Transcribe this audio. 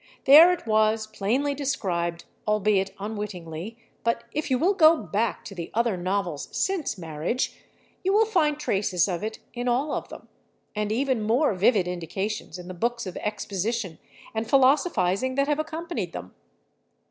There it was plainly described, albeit unwittingly, but if you will go back to the other novels since "Marriage" you will find traces of it in all of them, and even more vivid indications in the books of exposition and philosophizing that have accompanied them.